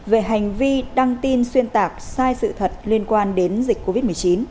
về hành vi đăng tin xuyên tạc sai sự thật liên quan đến dịch covid một mươi chín